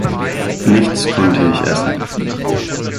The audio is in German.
Nichts konnte ich essen.